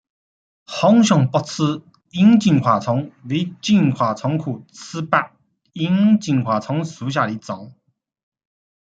红胸薄翅萤金花虫为金花虫科薄翅萤金花虫属下的一个种。